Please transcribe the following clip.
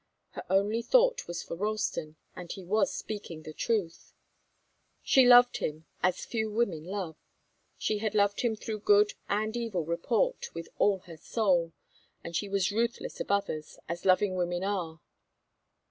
Her only thought was for Ralston, and he was speaking the truth. She loved him as few women love. She had loved him through good and evil report, with all her soul. And she was ruthless of others, as loving women are.